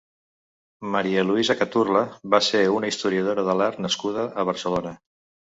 María Luisa Caturla va ser una historiadora de l'art nascuda a Barcelona.